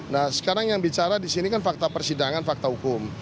nah sekarang yang bicara di sini kan fakta persidangan fakta hukum